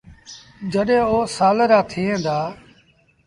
جڏهيݩ او سآل رآ ٿئيڻ دآ۔